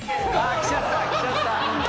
きちゃった。